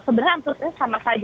sebenarnya antusias sama saja